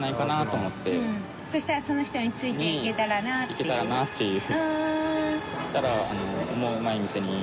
行けたらなっていう。